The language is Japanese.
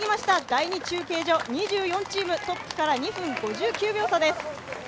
第２中継所、２４チーム、トップから２分５９秒差です。